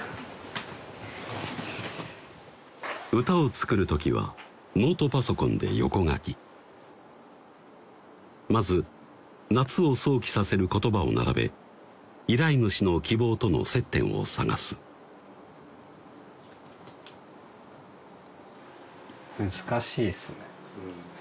歌を作る時はノートパソコンで横書きまず夏を想起させる言葉を並べ依頼主の希望との接点を探す難しいですね